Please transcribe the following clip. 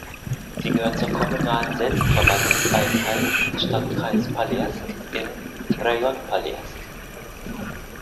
Sie gehört zur kommunalen Selbstverwaltungseinheit "Stadtkreis Polessk" im Rajon Polessk.